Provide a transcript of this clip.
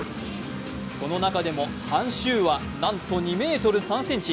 その中でも、韓旭はなんと２ｍ３ｃｍ。